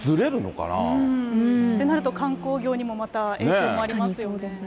ってなると、観光業にもまた影響もありますよね。